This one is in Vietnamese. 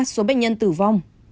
ba số bệnh nhân tử vong